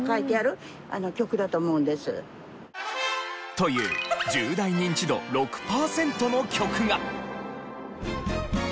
という１０代ニンチド６パーセントの曲が。